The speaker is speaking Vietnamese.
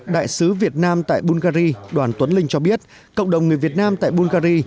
đại sứ việt nam tại bungary đoàn tuấn linh cho biết cộng đồng người việt nam tại bungary